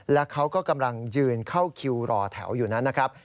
และเขาก็กำลังยืนเข้าคิวรอแถวอยู่นั้นนะครับ